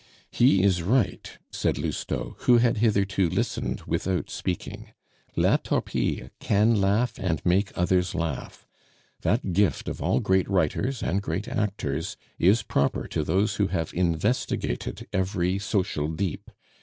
"He is right," said Lousteau, who had hitherto listened without speaking; "La Torpille can laugh and make others laugh. That gift of all great writers and great actors is proper to those who have investigated every social deep.